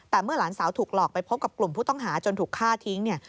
แต่เมื่อหลานสาวถูกหลอกไปพบกับกลุ่มผู้ต้องหาจนถูกฆ่าทิ้งเนี่ย